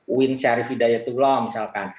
uin syarif hidayatullah misalkan